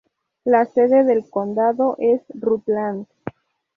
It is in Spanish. La sede del condado es Rutland.